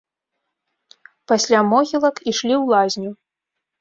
Пасля могілак ішлі ў лазню.